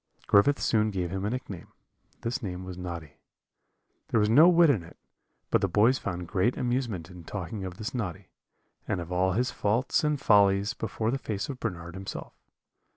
"Griffith soon gave him a nickname this name was Noddy; there was no wit in it, but the boys found great amusement in talking of this Noddy, and of all his faults and follies, before the face of Bernard himself.